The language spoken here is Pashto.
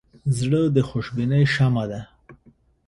زړه د خوشبینۍ شمعه ده.